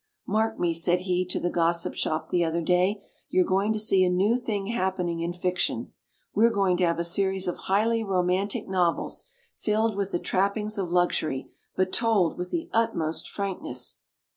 ''Mark me", said he to the Grossip Shop the other day, you're going to see a new thing happening in fiction. We're going to have a series of highly romantic novels, filled with the trappings of luxury ; but told with the utmost frankness!